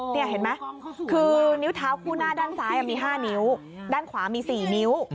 นี่เห็นไหมคือนิ้วเท้าคู่หน้าด้านซ้ายมี๕นิ้วด้านขวามี๔นิ้ว